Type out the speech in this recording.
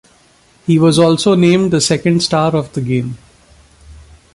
He was also named second star of the game.